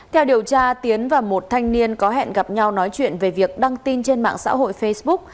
theo điều tra tiến và một thanh niên có hẹn gặp nhau nói chuyện về việc đăng tin trên mạng xã hội facebook